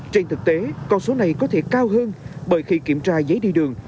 trên thực tế con số này có thể cao hơn bởi khi kiểm tra giấy đi đường